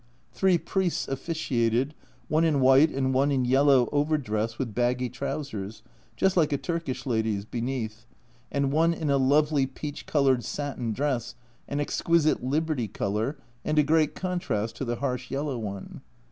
Three priests officiated, one in white and one in yellow over dress with baggy trousers, just like a Turkish lady's, beneath, and one in a lovely peach coloured satin dress, an exquisite "Liberty" colour, and a great contrast to the harsh yellow one.